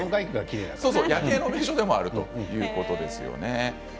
夜景の場所でもあるということですよね。